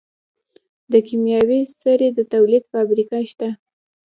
د کیمیاوي سرې د تولید فابریکه شته.